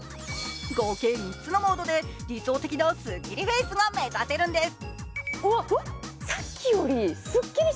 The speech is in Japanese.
合計３つのモードで理想的なスッキリフェースが目指せるんです。